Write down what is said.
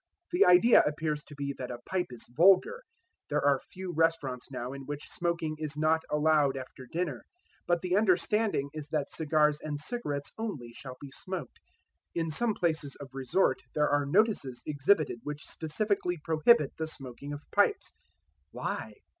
The idea appears to be that a pipe is vulgar. There are few restaurants now in which smoking is not allowed after dinner; but the understanding is that cigars and cigarettes only shall be smoked. In some places of resort there are notices exhibited which specifically prohibit the smoking of pipes. Why?